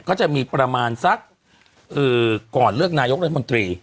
ก็จะมีประมาณสักก่อนเลือกนายกรัฐมนตรี